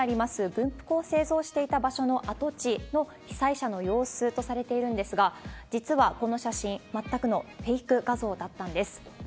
軍服を製造していた場所の跡地の被災者の様子とされているんですが、実はこの写真、全くのフェイク画像だったんです。